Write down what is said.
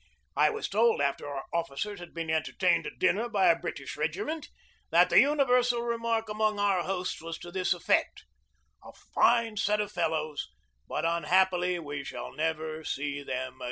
I was told, after our officers had been entertained at dinner by a British regiment, that the universal remark among our hosts was to this effect: "A fine set of fellows, but unhappily we shall never see them again."